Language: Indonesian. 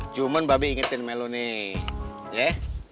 cuman mbak be ingetin sama lo nih ya